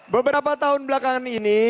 beberapa tahun belakangan ini